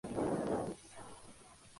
El apellido Cornwell es el de su madre.